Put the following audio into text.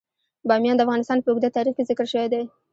بامیان د افغانستان په اوږده تاریخ کې ذکر شوی دی.